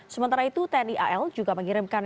sementara itu tni al juga mengirimkan